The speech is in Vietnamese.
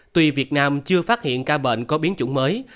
tuy việt nam chưa phát hiện ca bệnh có biến chủng mới